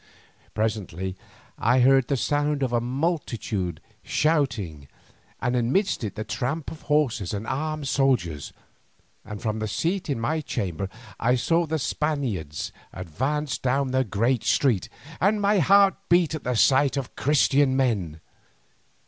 Presently I heard the sound of a multitude shouting, and amidst it the tramp of horses and armed soldiers, and from a seat in my chamber I saw the Spaniards advance down the great street, and my heart beat at the sight of Christian men.